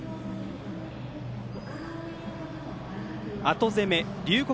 後攻め、龍谷